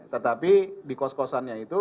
tetapi di kos kosannya itu